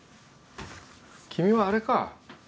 君はあれか？